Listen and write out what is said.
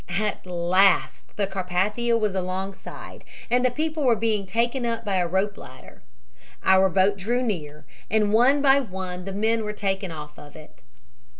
At last the Carpathia was alongside and the people were being taken up a rope ladder. Our boat drew near, and one b{y} one the men were taken off of it.